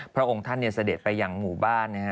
พระองค์ท่านเสด็จไปอย่างหมู่บ้านนะฮะ